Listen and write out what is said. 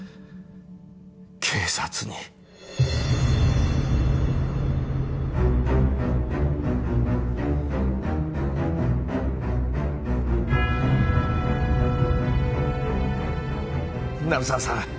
警察に鳴沢さん